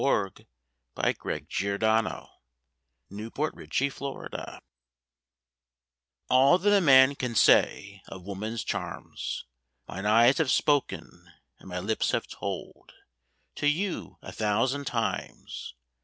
A BACHELOR TO A MARRIED FLIRT ALL that a man can say of woman's charms, Mine eyes have spoken and my lips have told To you a thousand times.